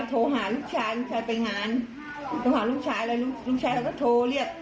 ต้องหาลูกชายเลยลูกชายเขาก็โทรเรียก